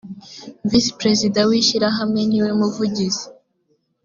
visi perezida w’ishyirahamwe ni we muvugizi